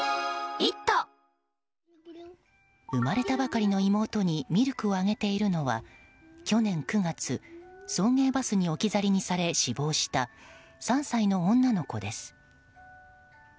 生まれたばかりの妹にミルクをあげているのは去年９月、送迎バスに置き去りにされ死亡した３歳の女の子です。